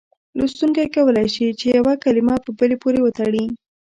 لوستونکی کولای شي چې یوه کلمه په بلې پورې وتړي.